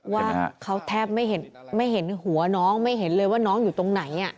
ว่าเขาแทบไม่เห็นหัวน้องไม่เห็นเลยว่าน้องอยู่ตรงไหน